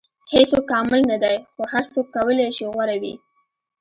• هیڅوک کامل نه دی، خو هر څوک کولی شي غوره وي.